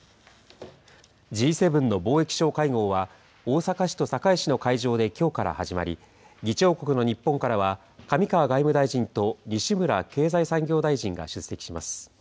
Ｇ７の貿易相会合は、大阪市と堺市の会場できょうから始まり、議長国の日本からは、上川外務大臣と西村経済産業大臣が出席します。